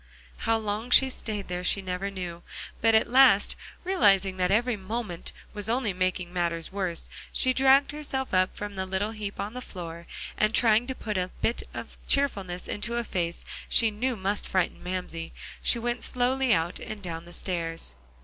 How long she stayed there she never knew. But at last, realizing that every moment there was only making matters worse, she dragged herself up from the little heap on the floor, and trying to put a bit of cheerfulness into a face she knew must frighten Mamsie, she went slowly out, and down the stairs.